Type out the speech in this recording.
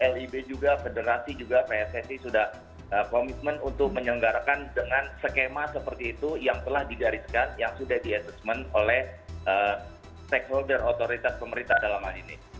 lib juga federasi juga pssi sudah komitmen untuk menyelenggarakan dengan skema seperti itu yang telah digariskan yang sudah di assessment oleh stakeholder otoritas pemerintah dalam hal ini